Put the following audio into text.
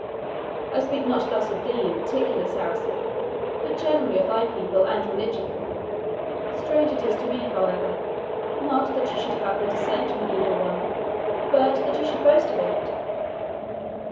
I speak not thus of thee in particular, Saracen, but generally of thy people and religion. Strange is it to me, however, not that you should have the descent from the Evil One, but that you should boast of it."